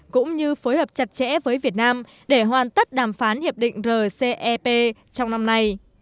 cũng như phối hợp chặt chẽ với việt nam để hoàn tất đàm phán hiệp định rcep trong năm nay